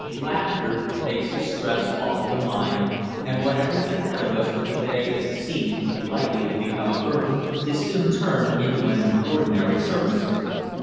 Laughter takes the stress off of the mind, and whatever is ahead of us for the day that seems likely to become a burden is soon turned into an ordinary circumstance.